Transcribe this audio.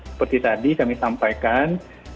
seperti tadi kami sampaikan